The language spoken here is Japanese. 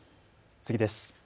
次です。